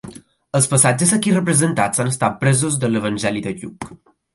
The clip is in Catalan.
Els passatges aquí representats han estat presos de l'Evangeli de Lluc.